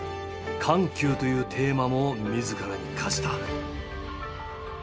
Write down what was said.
緩急というテーマも自らに課した。